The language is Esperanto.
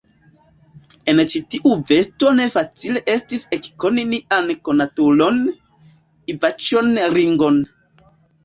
En ĉi tiu vesto ne facile estis ekkoni nian konatulon, Ivaĉjon Ringon.